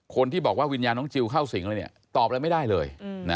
คนที่บอกว่าวิญญาณน้องจิลเข้าสิงอะไรเนี่ยตอบอะไรไม่ได้เลย